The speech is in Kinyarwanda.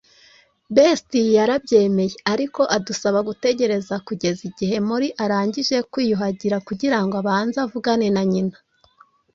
Betsy yarabyemeye ariko adusaba gutegereza kugeza igihe Molly arangije kwiyuhagira kugirango abanze avugane na nyina.